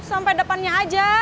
sampai depannya aja